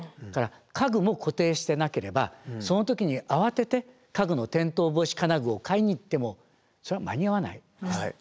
それから家具も固定してなければその時に慌てて家具の転倒防止金具を買いに行ってもそれは間に合わないです。